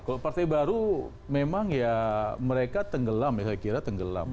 kalau partai baru memang ya mereka tenggelam ya saya kira tenggelam